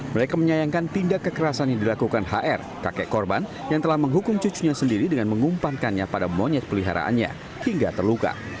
mereka menyayangkan tindak kekerasan yang dilakukan hr kakek korban yang telah menghukum cucunya sendiri dengan mengumpankannya pada monyet peliharaannya hingga terluka